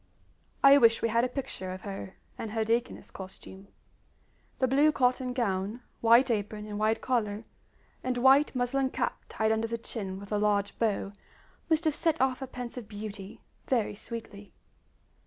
I wish we had a picture of her in her deaconess costume. The blue cotton gown, white apron and wide collar, and white muslin cap tied under the chin with a large bow, must have set off her pensive beauty very sweetly.